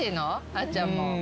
あっちゃんも。